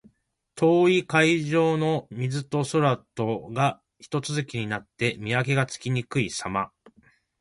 遠い海上の水と空とがひと続きになって、見分けがつきにくいさま。